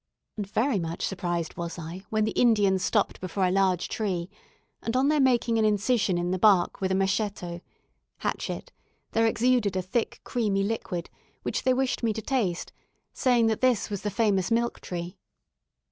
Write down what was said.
And very much surprised was I when the Indians stopped before a large tree, and on their making an incision in the bark with a matcheto (hatchet), there exuded a thick creamy liquid, which they wished me to taste, saying that this was the famous milk tree.